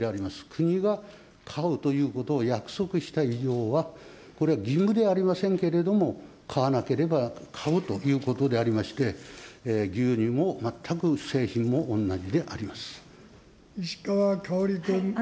国が買うということを約束した以上は、これは義務ではありませんけども、買わなければ、買うということでありまして、石川香織君。